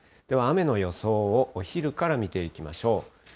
では雨の予想をお昼から見ていきましょう。